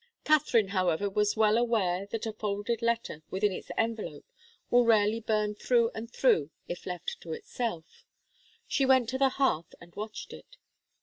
Katharine, however, was well aware that a folded letter within its envelope will rarely burn through and through if left to itself. She went to the hearth and watched it.